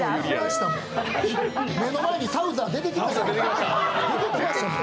目の前にサウザー、出てきましたもん。